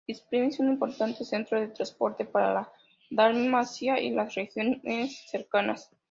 Split es un importante centro de transporte para Dalmacia y las regiones cercanas.